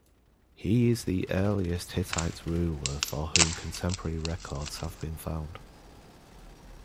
He is the earliest Hittite ruler for whom contemporary records have been found.